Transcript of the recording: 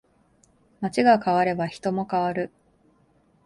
街が変われば人も変わる